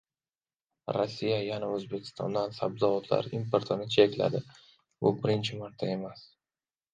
Rossiya yana O‘zbekistondan sabzavotlar importini chekladi. Bu birinchi marta emas